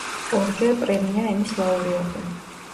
ორჯერ პრემია „ემის“ ლაურეატი.